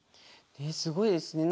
すごいですね。